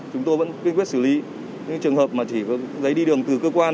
chúng tôi vẫn quyên quyết xử lý những trường hợp mà chỉ có giấy đi đường từ cơ quan